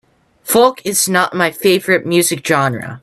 Folk is not my favorite music genre.